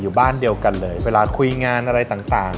อยู่บ้านเดียวกันเลยเวลาคุยงานอะไรต่าง